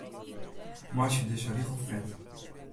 Meitsje dizze rige fet.